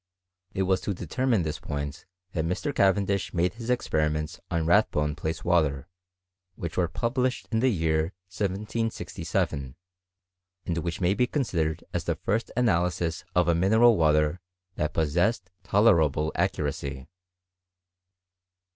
It was to determine this point that Mr. Cavendish^ade his experiments ott Rathbone place water, which were published in the year 1767, and which may be considered as the first analysis of a mineral water that possessed tolerable accuracy.